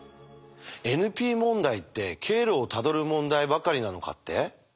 ＮＰ問題って経路をたどる問題ばかりなのかって？